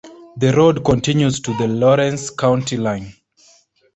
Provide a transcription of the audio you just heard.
The road continues to the Lawrence County line.